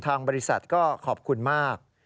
ทางบริษัทก็ขอบคุณมาก